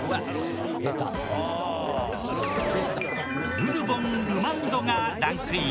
ブルボンルマンドがランクイン。